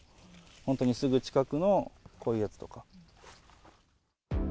本当にすぐ近くのこういうやつとか。